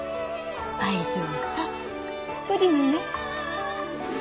愛情たっぷりにね。